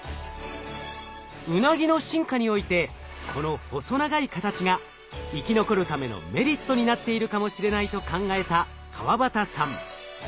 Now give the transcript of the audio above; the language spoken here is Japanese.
ウナギの進化においてこの細長い形が生き残るためのメリットになっているかもしれないと考えた河端さん。